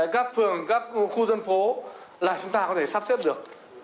các phường các khu dân phố là chúng ta có thể sắp xếp được